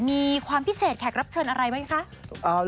มีความพิเศษแขกรับเชิญอะไรไหมคะ